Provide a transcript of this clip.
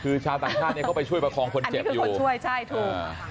คือชาวต่างชาติเข้าไปช่วยประคองคนเจ็บอยู่อันนี้คือคนช่วยใช่ถูก